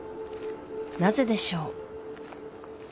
なぜでしょう？